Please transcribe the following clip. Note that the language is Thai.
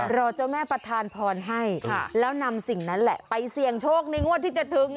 รอเจ้าแม่ประธานพรให้แล้วนำสิ่งนั้นแหละไปเสี่ยงโชคในงวดที่จะถึง